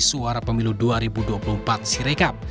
suara pemilu dua ribu dua puluh empat sirekap